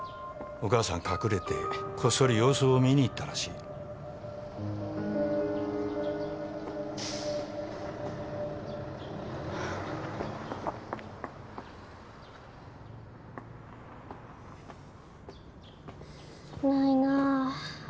お母さん隠れてこっそり様子を見に行ったらしいないなあ